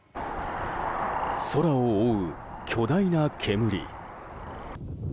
空を覆う巨大な煙。